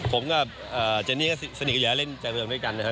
ผมกับเจนี่ก็สนิทเยอะแล้วเล่นใหจบรรยาคุณด้วยกันนะค่ะ